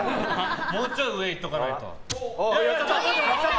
もうちょい上行っとかないと。